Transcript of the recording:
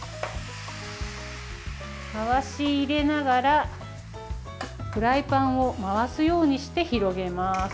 回し入れながらフライパンを回すようにして広げます。